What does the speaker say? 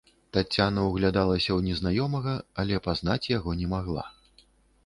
Таццяна ўглядалася ў незнаёмага, але пазнаць яго не магла.